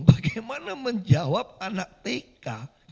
bagaimana menjawab anak pk